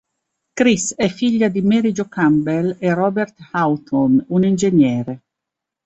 Kris è figlia di Mary Jo Campbell e Robert Houghton, un ingegnere.